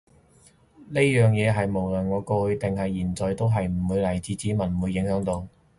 呢樣嘢係無論我過去定係現在係唔係佢嘅子民都唔會影響到